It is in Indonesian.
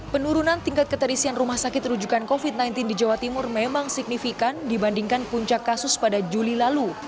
penurunan tingkat keterisian rumah sakit rujukan covid sembilan belas di jawa timur memang signifikan dibandingkan puncak kasus pada juli lalu